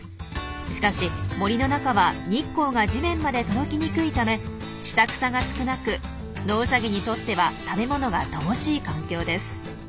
しかし森の中は日光が地面まで届きにくいため下草が少なくノウサギにとっては食べ物が乏しい環境です。